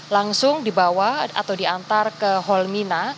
langsung dibawa atau diantar ke holmina